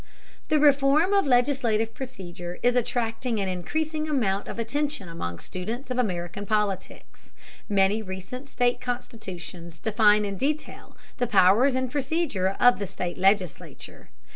The reform of legislative procedure is attracting an increasing amount of attention among students of American politics. Many recent state constitutions define in detail the powers and procedure of the state legislature.